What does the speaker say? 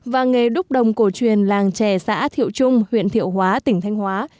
và nghề đúc đồng cổ truyền làng trẻ xã thiệu trung huyện thiệu hóa tỉnh thanh hóa